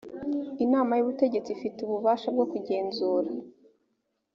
inama y ubutegetsi ifite ububasha bwo kugenzura